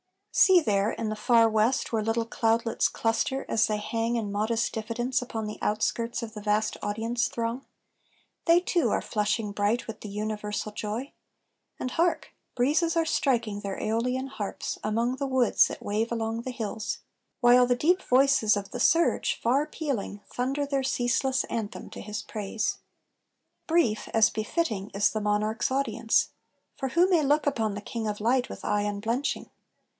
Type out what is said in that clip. See there in the far west, Where little cloudlets cluster, as they hang In modest diffidence upon the outskirts Of the vast audience throng: they too are flushing Bright with the universal joy: and hark! Breezes are striking their Æolian harps Among the woods that wave along the hills; While the deep voices of the surge, far pealing, Thunder their ceaseless anthem to his praise. Brief, as befitting, is the monarch's audience; For who may look upon the King of light With eye unblenching?